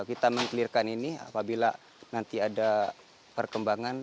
kita meng clearkan ini apabila nanti ada perkembangan